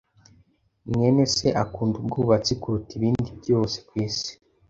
mwene se akunda ubwubatsi kuruta ibindi byose kwisi.